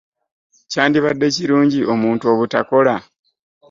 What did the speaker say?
Kyandibadde kirungi omuntu obutakola?